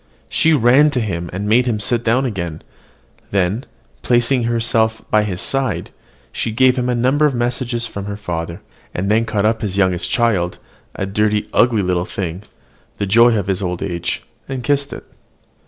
She ran to him, and made him sit down again; then, placing herself by his side, she gave him a number of messages from her father, and then caught up his youngest child, a dirty, ugly little thing, the joy of his old age, and kissed it.